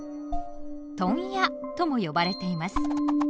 「問屋」とも呼ばれています。